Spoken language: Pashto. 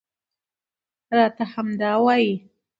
راته همدا وايي